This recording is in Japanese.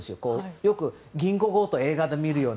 よく銀行強盗の映画で見るような。